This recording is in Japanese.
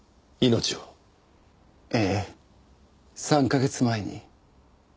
３カ月前に。